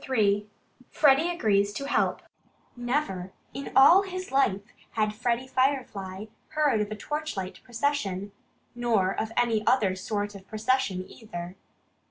III FREDDIE AGREES TO HELP Never in all his life had Freddie Firefly heard of a torchlight procession nor of any other sort of procession, either.